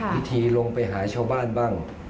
ลงไปหาชาวบ้านบ้าง